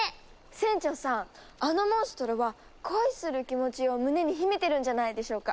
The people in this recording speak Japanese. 船長さんあのモンストロは恋する気持ちを胸に秘めてるんじゃないでしょうか。